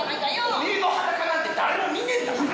「おめえの裸なんて誰も見ねえんだから」